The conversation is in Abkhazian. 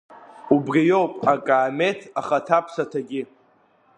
Убриоуп акаамеҭ ахаҭа-ԥсаҭагьы!